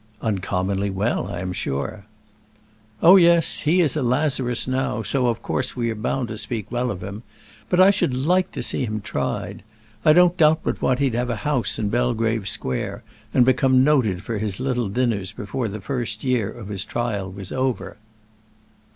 "Uncommonly well, I am sure." "Oh, yes; he is a Lazarus now, so of course we are bound to speak well of him; but I should like to see him tried. I don't doubt but what he'd have a house in Belgrave Square, and become noted for his little dinners before the first year of his trial was over."